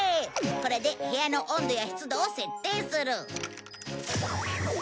これで部屋の温度や湿度を設定する。